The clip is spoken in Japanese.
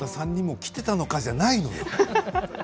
先輩方３人も来ていたのかじゃないんだよ。